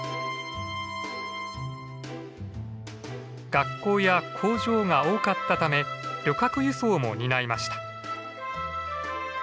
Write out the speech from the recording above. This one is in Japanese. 学校や工場が多かったため旅客輸送も担いました。